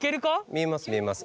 見えます見えます。